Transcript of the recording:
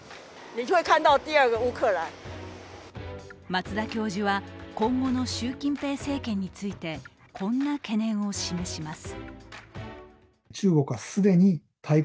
松田教授は今後の習近平政権について、こんな懸念を示します。